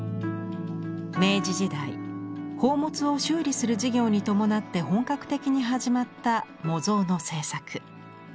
明治時代宝物を修理する事業に伴って本格的に始まった模造の制作。